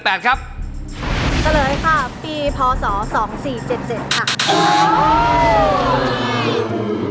จะเลยค่ะปีพอสอง๒๔๗๗ค่ะ